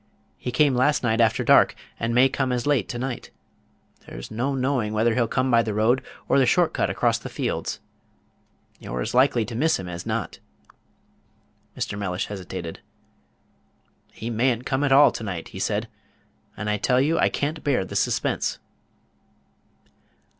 "He came last night after dark, and may come as late to night. There's no knowing whether he'll come by the road, or the short cut across the fields. You're as likely to miss him as not." Mr. Mellish hesitated. "He may n't come at all to night," he said; "and I tell you I can't bear this suspense."